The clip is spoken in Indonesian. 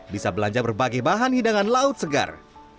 bisa belanja berbagai bahan hidangan laut segar